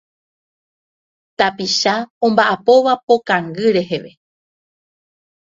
Tapicha omba'apóva po kangy reheve.